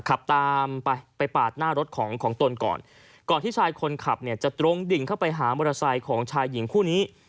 ขับตามไปไปปาดหน้ารถของของตนก่อนก่อนที่ชายคนขับเนี่ยจะตรงดิ่งเข้าไปหามอเตอร์ไซค์ของชายหญิงคู่นี้